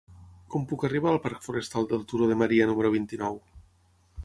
Com puc arribar al parc Forestal del Turó de Maria número vint-i-nou?